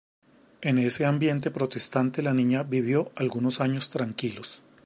En ese ambiente protestante, la niña vivió algunos años tranquilos.